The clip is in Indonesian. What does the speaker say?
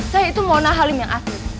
saya itu monah halim yang asli